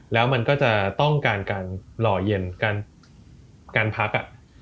แล้วมันก็จะต้องการการหล่อเย็นการพัก